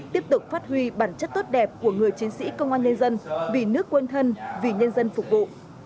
tiếp tục phát huy bản chất tốt đẹp của người chiến sĩ công an nhân dân vì nước quên thân vì nhân dân phục vụ